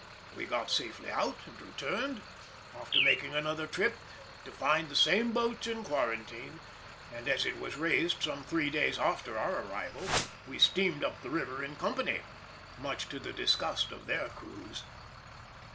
We got safely out and returned, after making another trip, to find the same boats in quarantine, and, as it was raised some three days after our arrival, we steamed up the river in company, much to the disgust of their crews.